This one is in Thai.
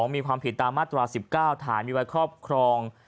มีความผิดตามมาตรา๑๙ฐานมีไว้ครอบครอง